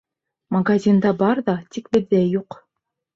— Магазинда бар ҙа, тик беҙҙә юҡ.